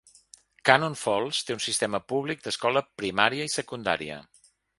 Cannon Falls té un sistema públic d'escola primària i secundària.